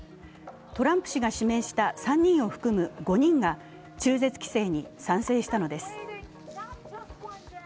トランプ氏が指名した３人を含む５人が中絶規制に賛成したのです。